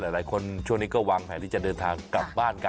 หลายคนช่วงนี้ก็วางแผนที่จะเดินทางกลับบ้านกัน